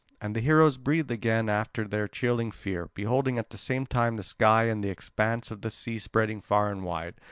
And the heroes breathed again after their chilling fear, beholding at the same time the sky and the expanse of sea spreading far and wide.